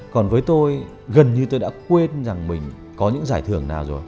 còn với tôi gần như tôi đã quên rằng mình có những giải thưởng nào rồi